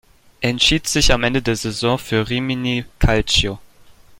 Er entschied sich am Ende der Saison für Rimini Calcio.